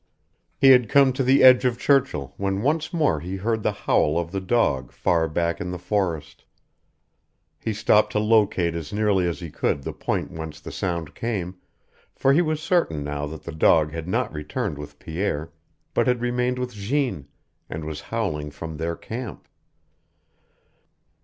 He had come to the edge of Churchill when once more he heard the howl of the dog far back in the forest. He stopped to locate as nearly as he could the point whence the sound came, for he was certain now that the dog had not returned with Pierre, but had remained with Jeanne, and was howling from their camp.